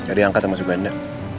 tadi angkat sama subenda